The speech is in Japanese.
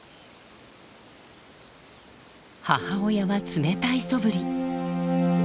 母親は冷たいそぶり。